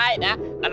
ayo kita berdua